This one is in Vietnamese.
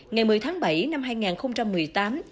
ngày một mươi tháng bảy năm hai nghìn một mươi tám